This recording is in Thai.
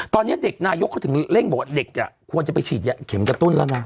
ตอนนี้เด็กนายกเขาถึงเร่งบอกว่าเด็กควรจะไปฉีดเข็มกระตุ้นแล้วนะ